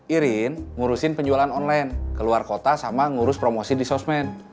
irin ngurusin penjualan online keluar kota sama ngurus promosi di sosmed